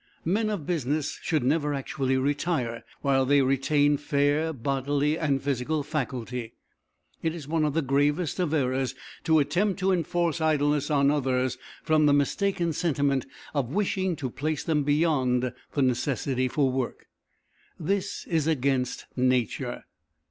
Men of business should never actually retire while they retain fair bodily and physical faculty. It is one of the gravest of errors to attempt to enforce idleness on others from the mistaken sentiment of wishing to place them beyond the necessity for work. This is against nature.